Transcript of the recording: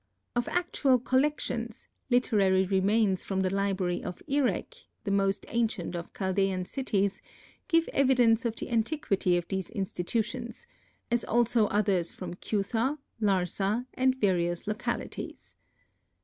Of actual collections, literary remains from the library of Erech, the most ancient of Chaldean cities, give evidence of the antiquity of these institutions, as also others from Cutha, Larsa and various localities.